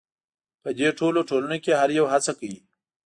په دې ډول ټولنو کې هر یو هڅه کوي.